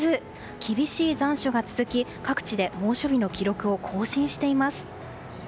厳しい残暑が続き各地で猛暑日の記録を更新しています。